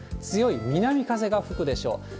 強い南風が吹くでしょう。